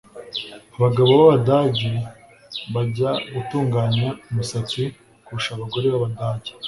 Abagabo bAbadage bajya gutunganya umusatsi kurusha abagore bAbadage